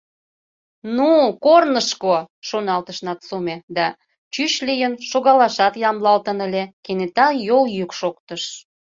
«Ну, корнышко!» — шоналтыш Нацуме да, чӱч лийын, шогалашат ямдылалтын ыле, кенета йол йӱк шоктыш.